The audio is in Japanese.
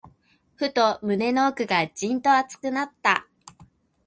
ふと、胸の奥がじんと熱くなった。